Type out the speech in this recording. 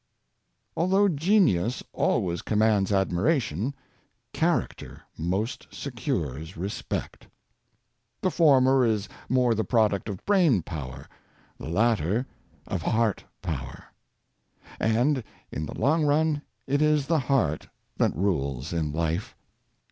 Although genius always commands admiration, char acter most secures respect. The former is more the product of brain power, the latter of heart power; and in the long run it is the heart that rules in life.